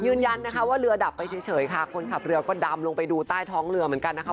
ยืนยันนะคะว่าเรือดับไปเฉยค่ะคนขับเรือก็ดำลงไปดูใต้ท้องเรือเหมือนกันนะคะ